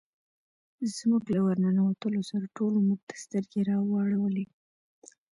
زموږ له ور ننوتلو سره ټولو موږ ته سترګې را واړولې.